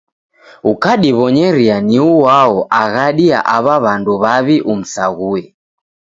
Ukadibonyeria ni uao aghadi ya aw'a w'andu w'aw'i umsaghue.